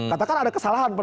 katakan ada kesalahan